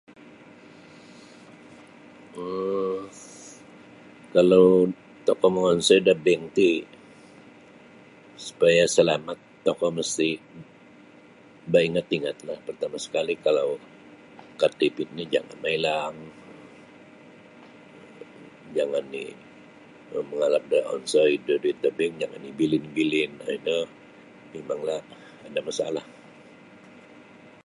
um kalau tokou mongonsoi da bing ti supaya salamat tokou misti' baingat-ingatlah partama' sekali kalau kad debit no jangan mailang jangan um mangalap da onsoi da duit da bing jangan ibilin-bilin um ino mimanglah ada masalah.